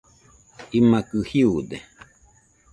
imakɨ jiude